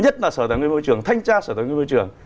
nhất là sở tài nguyên môi trường thanh tra sở tài nguyên môi trường